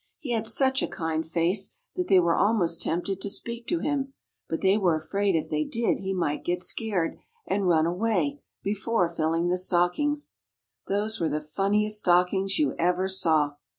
He had such a kind face that they were almost tempted to speak to him, but they were afraid if they did he might get scared, and run away, before filling the stockings. Those were the funniest stockings you ever saw.